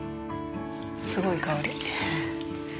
すごい香り。